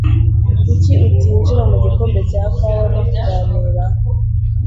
Kuki utinjira mu gikombe cya kawa no kuganira?